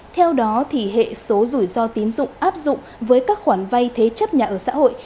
theo đó hệ số rủi ro tín dụng áp dụng với các khoản vay thế chấp nhà ở xã hội